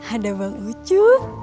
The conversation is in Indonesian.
ada bang ucu